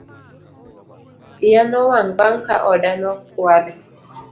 Iya nowang' bang' ka oda nokwale